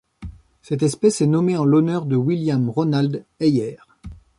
Cette espèce est nommée en l'honneur de William Ronald Heyer.